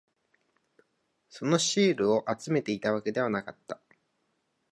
そのシールを集めていたわけではなかった。